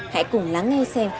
hãy cùng lắng nghe xem